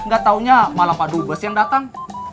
gak taunya malah pak dubes yang datang